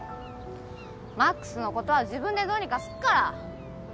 魔苦須のことは自分でどうにかすっから。